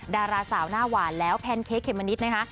ดาราสาวหน้าหวานแล้วแพนเค้กเมมะนิดนะคะ